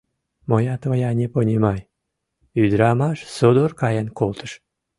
— Моя твоя не понимай! — ӱдырамаш содор каен колтыш.